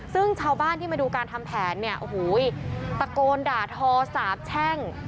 ซึ่งชาวบ้านที่มาดูการทำแผนเนี่ยโอ้โหตะโกนด่าทอสาบแช่ง